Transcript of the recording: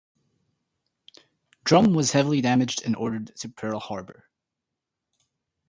"Drum" was heavily damaged and ordered to Pearl Harbor.